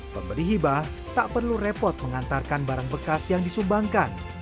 pemberi hibah tak perlu repot mengantarkan barang bekas yang disumbangkan